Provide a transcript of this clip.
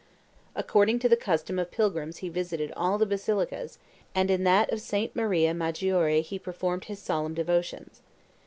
According to the custom of pilgrims he visited all the basilicas, and in that of St. Maria Maggiore he performed his solemn devotions.